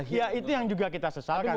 ya itu yang juga kita sesalkan